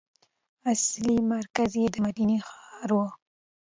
اصلي مرکز یې د مدینې ښار و.